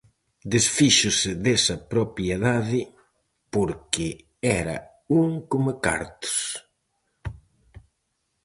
Desfíxose desa propiedade porque era un comecartos.